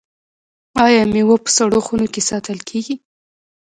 آیا میوه په سړو خونو کې ساتل کیږي؟